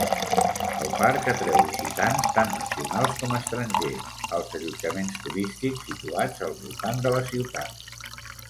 El parc atreu visitants tant nacionals com estrangers als allotjaments turístics situats al voltant de la ciutat.